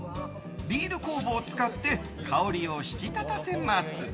ビール酵母を使って香りを引き立たせます。